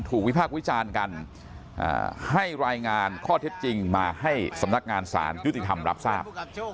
วิพากษ์วิจารณ์กันให้รายงานข้อเท็จจริงมาให้สำนักงานสารยุติธรรมรับทราบ